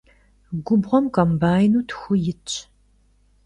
Gubğuem kombaynu txu yitş.